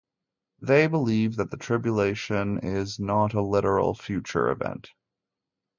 They believe that the tribulation is not a literal future event.